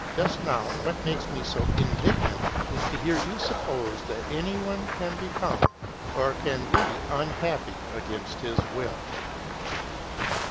Just now what makes me so indignant is to hear you suppose that any one can become or can be unhappy against his will.